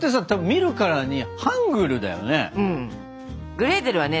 グレーテルはね